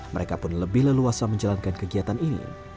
mereka pun lebih leluasa menjalankan kegiatan ini